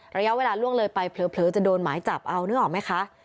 ระยะเวลาล่วงเลยไปเผลอจะโดนหมายจับเอานึกออกไหมคะ